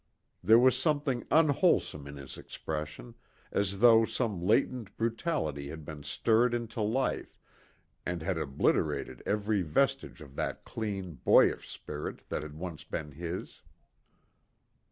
There was something unwholesome in his expression, as though some latent brutality had been stirred into life, and had obliterated every vestige of that clean, boyish spirit that had once been his.